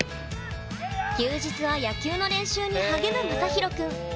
休日は野球の練習に励むまさひろくん。